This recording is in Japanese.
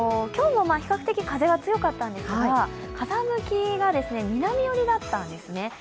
今日は比較的風は強かったんですが風向きが南寄りだったんですね。